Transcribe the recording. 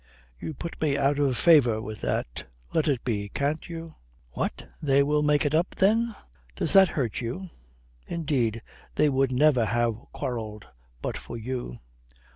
"You put me out of favour with that." "Let it be, can't you? What, they will make it up, then?" "Does that hurt you? Indeed, they would never have quarrelled but for you."